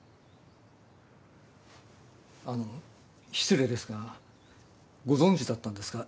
あの失礼ですがご存じだったんですか？